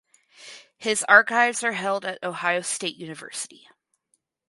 His archives are held at Ohio State University.